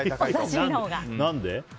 何で？